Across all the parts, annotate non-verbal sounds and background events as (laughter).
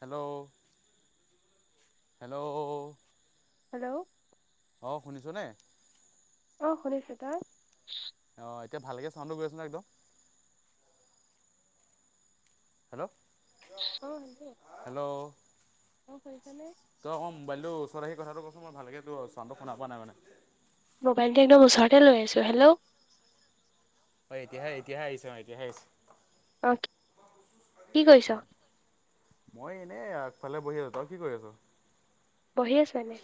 Hello hello hello অ' শুনিছনে? অঁ শুনিছো, তই? অঁ এতিয়া ভালকে চাউণ্টো গৈ আছে ন একদম। হেল্লৌ' অঁ হেল্লৌ' অঁ শুনিছানে? তই অকন মোবাইলটো ওচৰত আহি কথাটো কছোন ময় ভালকৈতো চাওণ্টো শুনা পোৱা নাই মানে। মোবাইলটো একদম ওচৰতে লৈ আছো। হেল্লৌ' হয়, এতিয়াহে এতিয়াহে এতিয়া আহিছে অঁ এতিয়া আহিছে। অ আহি কি কৰিছ আছে। মই এনেই আগফালে বহি আছো তই কি কৰি আছ? বহি আছো এনেই।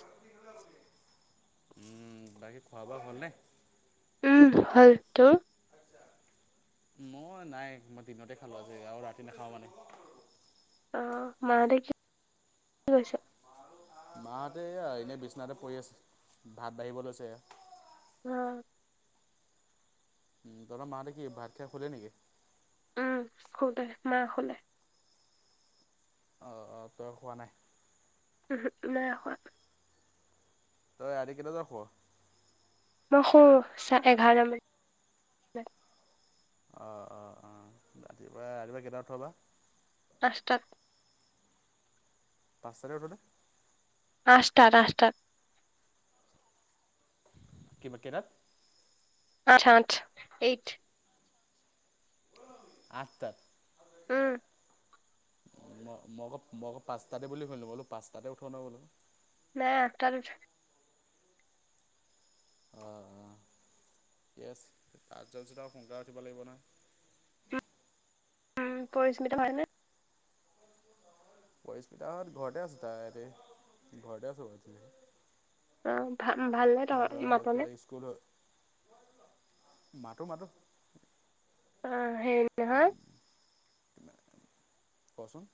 উম' বাকী খোৱা বোৱা হ'লনে? উম' হল, তোৰ? মই নাই মই দিনতে খালো আজি আৰু ৰাতি নাখাও মানে। অঁ মাঁহেতে কি কৰিছে? মাহেঁতে এয়া এনেই বিচনাতে পৰি আছে ভাত বাঢ়িব লৈছে এয়া। অঁ' তহত মাঁহেতে কি ভাত খাই শুলে নেকি? উম' শুলে মা শুলে। অ অ' তই শুৱা নাই? উমহু, নাই শুৱা। তই ৰাতি কেইতা বজাত শুৱ? মই শুঁ চাৰে এঘাৰটা মানত। অ অ, অঁ' ৰাতিপুৱা ৰাতিপুৱা কেইটাত উঠ বা? আঠটাত। পাঁচটাতে উঠ নে। আঠটা আঠটা। কি বা কেইটাত। আঠ আঠ এইট। ঐ আঠতাত। উম ম মই ক আকৌ মই আকৌ পাঁচটাতে বুলি শুনিলো বোলো পাঁচটাতে উঠ না বোলো নাই আঠটাত উঠো। অহ অহ ঠিকে আছে তাত যোৱা পিছত আও সোনকাল উঠিব লাগিব না। উম পৰিস্মিতা হয়নে। পৰিস্মিতাহত ঘৰতে আছে তাই হেতি ঘৰতে আছো। অহ ভা- ভাল নে তহ মাতনে। স্কুলত। মাতো মাতো। অহ হেৰি নহয়। কোনে কচোন।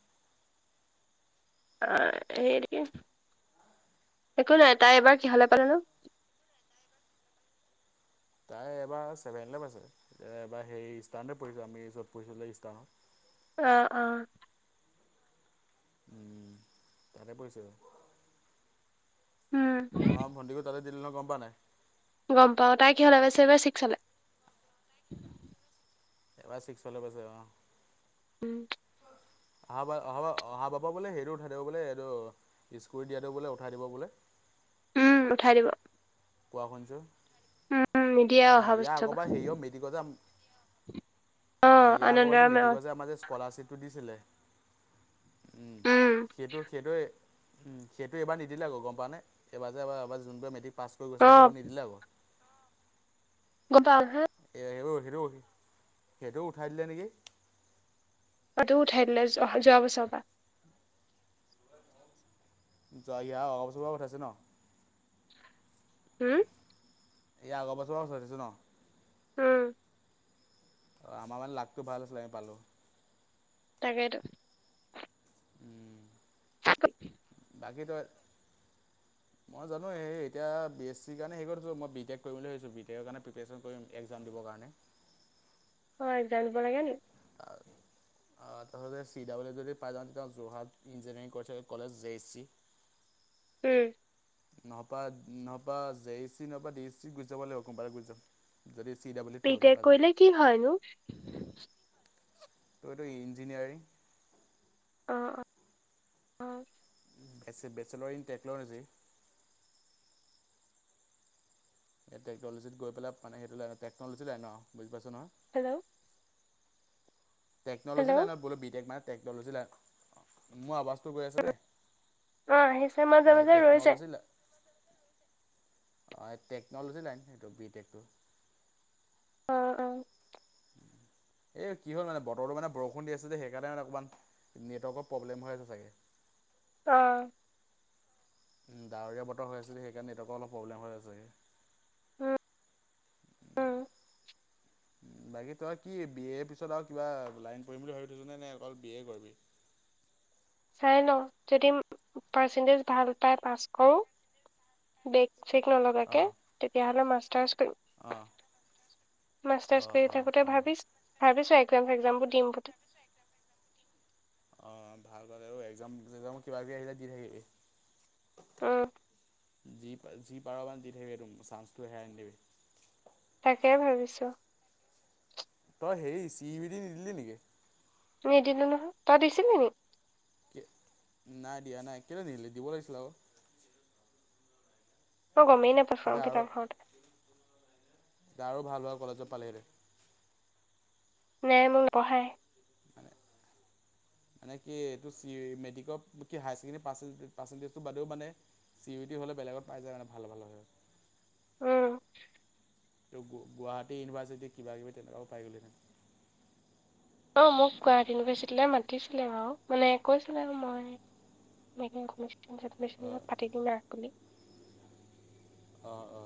তাই সেই কিন্তু একো নাই তাই এবাৰ কিহলে পালোনো তাই এবাৰ ছেভেন লে পাইছে এতিয়া এবাৰ হেৰি স্তানতে পঢ়িলো আমি যত পঢ়িবলে স্তানত। অহ অহ। উম তাতে পঢ়িছে। উম অহ ভণ্টিকো তাতে দিলে নহয় গম পাওঁ নাই। গম পাওঁ তাই কিহ'লে এইবাৰ ছিক্সালে এবাৰ ছিক্সলে গৈছে অহ। উম। অহা বা অহা অহা বাবা পৰা বোলে হেৰি উঠাই দিব বোলে এইটো্ ইস্কুটি দিয়াটো বোলে উঠাই দিব বোলে। উম উঠাই দিব। কোৱা শুনিছোঁ উম উম নিদিয়ে অহ অহা ইয়াৰ বছৰ আগৰ পৰা হেৰি পৰা মেট্ৰিকৰ যে। অ অহ ইয়াৰ আগৰ যে আনন্দৰাম অ মেট্ৰিকৰ যে আমাৰ স্কলাৰশ্বিপটো উম দিছিলে উম সেইটো সেইটোৱে। সেইটো এইবাৰ নিদিলে আকৌ গম পাঅ নে? এইবাৰ যে যে এবাৰ যোনবোৰ মেট্ৰিক পাছ কৰি অ গৈছিলে। সেইবোৰ নিদিলে আকৌ। কোটা আছে? এইটো এইটো সেইটো উঠাই দিলে নেকি? অ তোৰ উঠাই দিলে যোৱা বছৰৰ পৰা। যোৱা ইৱাৰ আগৰ বছৰৰ পৰা উঠাইছে ন? হুম', ইয়াৰ আগৰ বছৰ পৰা উঠাই দিছে ন? উম', অ' আমাৰ মানে লাকটো ভাল আছিলে আমি পালোঁ। তাকেটো,। উম। সেইটো। বাকী তই। মই জানো সেই সেই এতিয়া বি এছ চি কাৰণে হেৰি কৰি থৈছোঁ। মই বি টেক কৰিম বুলি ভাবিছোঁ। বি টেক কাৰণে প্ৰিপেৰেশ্যন কৰিম একজামৰ কাৰণে। অঁ একজাম দিবলৈকে হ'ল। আৰু অঁ তাৰবাবে চি ডাবল ইউ যদি পাই যাওঁ, তেতিয়া Jorhat engineering college J H C উম নহপা, নহবা জে ই চি নহবা ডে ই চিত গুচি যাব লাগিব, কোনোবা এটাত গুচি যাম। যদি চি ডাব্লিউ বিটেক কৰিলে কি হয় নো? তোৰ এইটো ইঞ্জিনিয়াৰিং অঁ অঁ অঁ বেচে বেচেলৰ ইন টেকন'লজি? এই টেকনলজিত গৈ পেলাই মানে, সেইটো লাইনত টেকনলজি লাইনৰ আৰু বুজি পাইছ নহয়। হেল্ল টেকন'লজী হেল্ল' লাইনত বোলো বিটেক মানে টেকন'লজি লাইন, মোৰ আৱাজটো গৈ আছেন নাই? অঁ, আহিছে মাজে মাজে ৰৈ যায়। অঁ এই টেকন'লজি লাইন, সেইটো বি টেকটো। অ অ এ, কি হ'ল মানে বতৰটো মানে বৰষুণ দি আছে যে সেইকাৰণে মানে অকণমান নেটৱৰ্কৰ প্ৰব্লেম হৈ আছে চাগে। অহঁ উম, ডাৱৰীয়া বতৰ হৈ আছিল, সেইকাৰণে নেটৱৰ্কৰ অলপ প্ৰব্লেম্ হৈ আছে চাগে। উম উম বাকী তই কি বি এৰ পিছত আৰু কিবা লাইন পঢ়িম বুলি ভাবি থৈছ নে, অকল বি এ কৰিবি? চাই লওঁ যদি পাৰ্চেণ্টেজ ভাল পায় পাছ কৰোঁ, বেগ চেক নলগাকে অঁ তেতিয়া হ'লে মাষ্টাৰ্চ কৰিম। অঁ মাষ্টাৰছ অঁ কৰি অঁ থাকোতে অঁ ভাবিছোঁ ভাবিছোঁ একজাম চেগজামবোৰ দিম বুলি। অঁ ভাল দৰে আৰু এক্জাম চেকজামবোৰ কিবা কিবি আহিলে দি থাকিবি। উম যি পা যি পাৰ মানে দি থাকিবি একদম চান্সটো হেৰাই নিদিবি। তাকেই ভাবিছোঁ। তই হেৰি চি ই বি ডি নিদিলি নেকি? নিদিলো নহয়, তাই দিছিলি নেকি? কি নাই দিয়া নাই, কেলেই নিদিলি দিব লাগিছিল আক। মই গমেই নাপাওঁ এতিয়া ফ্ৰম ফিলাপ হওঁতে। তই আৰু ভাল ভাল কলেজত পালিহেতেঁন। নাই মোৰ নপঢ়ায়। মানে মানে কি এইটো চি মেট্ৰিকত কি হায়াৰ ছেকেণ্ডেৰী পাৰ্চ পাৰ্চেণ্টেজটো বাদেও মানে চি ইউটি হ'লে বেলেগত পাই যায় মানে ভাল হয়। উম এই গুৱাহাটী ইউনিভাৰ্চিটি কিবা কিবি তেকুৱা পাই গলি হেতেন। অঁ মোক গুৱাহাটী ইউনিভাৰ্চিটিলৈ মাতিছিলে বাৰু, মানে কৈছিলে আৰু মই (unintelligible) অ অ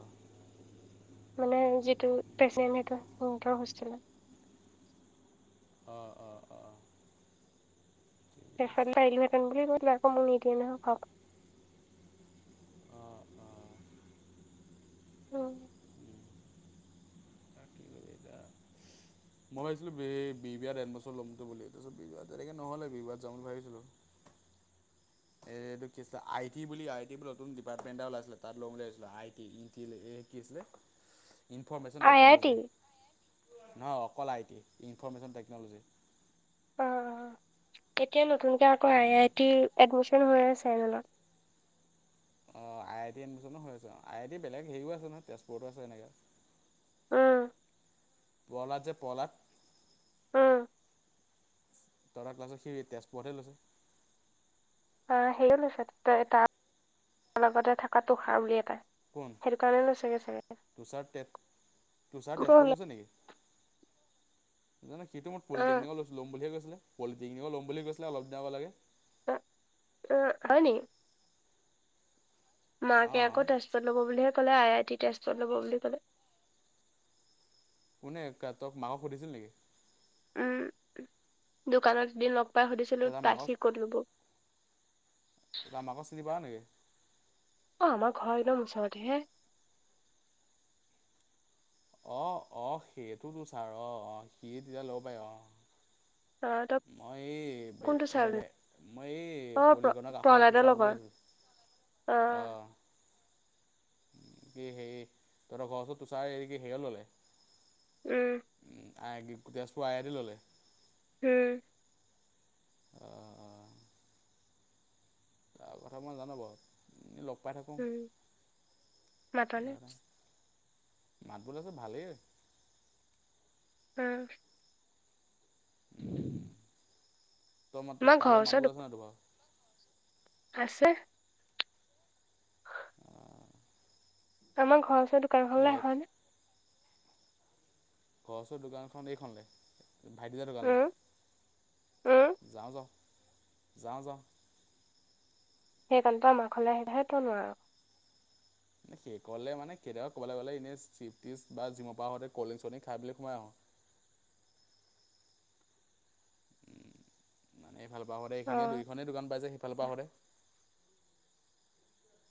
মানে যিটো পেচেণ্ট সেইটো হেতৰ হোষ্টেলৰ। অ অ অ সেইফালে আছে পাৰিলো হেঁতেন বুলি কৈছিলে আকৌ মোক নিদিয়ে নহয় ঘৰৰ পৰা। অ', অ'। উম বাকী এতিয়া। মই ভাবিছিলোঁ বি বৰুৱাত এডমিছন ল'মতো বুলি তাৰপিছত বি বৰুৱাত তেনেকৈ নহ'লে বি বৰুৱাত যাম বুলি ভাবিছিলোঁ। এ এটো কি আছিল আইটি বুলি আই টি বুলিত ডিপাৰ্মেণ্ট ওলাইছে তাত ল'ম বুলি ভাবিছিলোঁ আইটি ই কি আছিলে। Information I I T technology নহয় অকল আই টি ইনফৰৰ্মেশ্যন টেকন'লজি অ', অ', এতিয়া নতুনকে আকৌ আই আই টিৰ এডমিচন হৈ আছে। অ', আই টি এডমিনো হৈ আছেঁ আইটি বেলেগ হেৰিও আছে নহয় তেজপুৰতো আছে এনেকৈ উম। প্ৰহল্লাদ যে প্ৰহ্লাদ উম। তহঁতৰ কাল্লাচৰ সি তেজপুৰত হে লৈছে। অ', সেৰি লৈছে তাৰ লগতে থকা তটোষ (unintelligible) হাউলি এটাই কোন সেইটো কাৰণে লৈ চাগে চাগে। তোৰষাৰ তেজপুৰ অ' লৈছে নেকি। জানো সেটো মই পলিটেকনিক ল'ম বুলিয়ে কৈছিলে পলিটেনিক ল'ম বুলি কৈছিলে অলপ দিন আগলৈকে অ', অ', হয়নি। মাকে অঁ আকৌ তেজপুৰত ল'ব বুলিহে ক'লে আই আই টি তেজপুৰত ল'ব বুলি ক'লে কোনে ক তই মাকক সুধিছিলি নেকি? দোকানত এদিন লগ পাই সুধিছিলোঁ তই তাৰ তাত মাকক সি ক'ত ল'ব। তই মাকৰ চিনি পাওঁ নেকি? অ', আমাৰ ঘৰ একদম ওচৰতেহে অ', অ', সেইটোতো ছাৰ অ', অ', সি তেতিয়া লব পাই অ'। অ' তই মই এই বে কোনটো ছাৰ বুলি? বেলেগ মই এই অ' প্ৰ পলিগনক কাষত প্ৰহ্লাদৰ সোঁচাওঁ বুলি লগৰ। ভাবিছোঁ। অ'। কি হেৰি তহঁতৰ ঘৰ ওচৰত তো চাৰ হেৰি কি হেৰিয়ত ল'লে। উম। উম আইটি তেজপুৰ আই আই টিৰ ল'লে। উম। অ'। অ', তাৰ কথা মই জানোঁ বাৰু। লগ পাই থাকো উম। মাতনে? স মাত বোলো চো ভালেই অ'। উম। (inaudible) (unintelligible) আমাৰ আছে ঘৰৰ নাই ত ওচৰত বাৰু তোমালোকৰ। আছে। অ'। আমাৰ ঘৰৰ ওচৰ দোকাখনলে ঘৰ হয় নে। গছৰ দোকানখন এইখনে ভাইটি দা দোকানলৈ উম, উম, যাওঁ, যাওঁ, যাওঁ, যাওঁ। সেইকাৰণে মা হ'লে আহিধাহেো নোৱাৰোঁ। এ কলে মানে কেতিয়াবা ক'বলৈ গ'লে এনে চিপছ্ বা জি'মৰ পৰাতে কলড্ৰিং চলডিং খাইলৈ সোমাই আহো। মানে এইফালৰ পৰা সোতে এইখিনিয়ে অ', দুইখনেই দোকান পাই যে সিফালৰ পৰা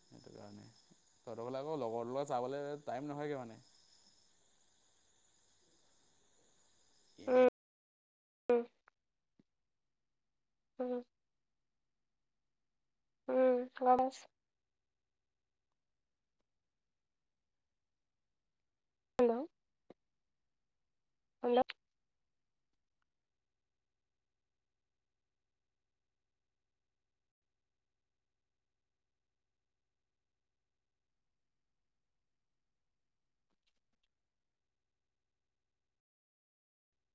সেইটো কাৰণে লগহতৰ ফালে আকৌ লগৰ লগত চাবলৈ টাইম নহয়গে মানে উম এনেই উম ওম উম (unintelligible) হেল্ল' হ্ল